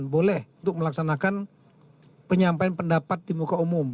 boleh untuk melaksanakan penyampaian pendapat di muka umum